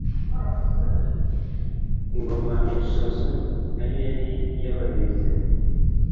Ingoma ya Busozo nayo yari iy'Abarenge